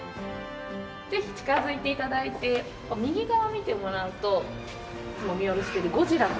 ぜひ近づいて頂いて右側見てもらうといつも見下ろしてるゴジラ。